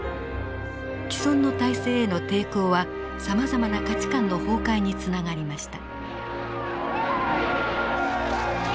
既存の体制への抵抗はさまざまな価値観の崩壊につながりました。